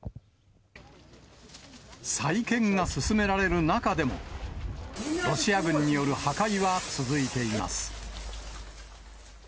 再建が進められる中でも、ロシア軍による破壊は続いています。